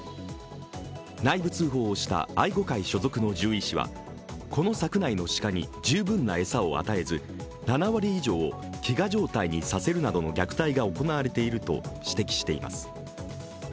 内部通報をした愛護会所属の獣医師はこの柵内の鹿に十分な餌を与えず７割以上を飢餓状態にさせるなどの虐待が行われていると指摘しています。